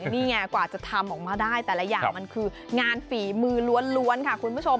นี่ไงกว่าจะทำออกมาได้แต่ละอย่างมันคืองานฝีมือล้วนค่ะคุณผู้ชม